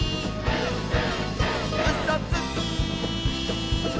「うそつき！」